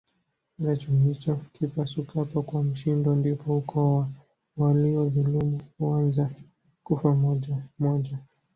Mara chungu hicho kipasukapo kwa mshindo ndipo ukoo wa waliodhulumu huanza kufa mmoja mmoja